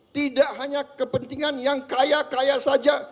tidak hanya kepentingan yang kaya kaya saja